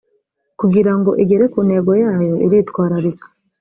kugira ngo igere ku ntego yayo iritwararika